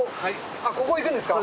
あっここを行くんですか？